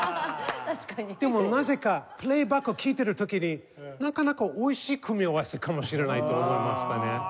でもなぜかプレイバック聴いてる時になかなかおいしい組み合わせかもしれないと思いましたね。